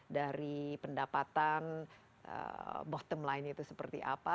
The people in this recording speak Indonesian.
dari pendapatan bottom line itu seperti apa